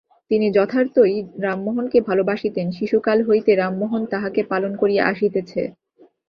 তিনি যথার্থই রামমোহনকে ভালোবাসিতেন, শিশুকাল হইতে রামমোহন তাঁহাকে পালন করিয়া আসিতেছে।